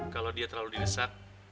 kalau dia terlalu direset